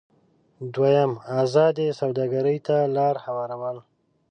دویم: ازادې سوداګرۍ ته لار هوارول.